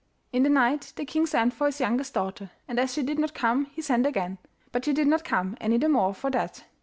In the night the king sent for his youngest daughter, and as she did not come he sent again; but she did not come any the more for that.